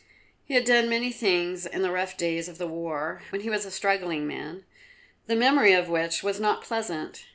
He had done many things in the rough days of the war when he was a struggling man, the memory of which was not pleasant.